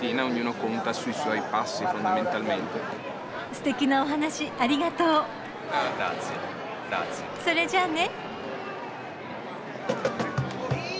すてきなお話ありがとう。それじゃあね。